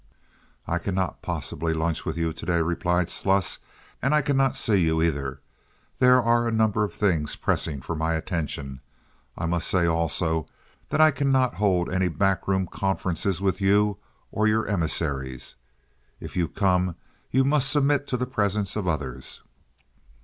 "I cannot possibly lunch with you to day," replied Sluss, "and I cannot see you, either. There are a number of things pressing for my attention. I must say also that I cannot hold any back room conferences with you or your emissaries. If you come you must submit to the presence of others."